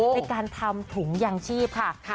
ในการทำถุงยางชีพค่ะ